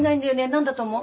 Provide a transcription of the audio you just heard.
何だと思う？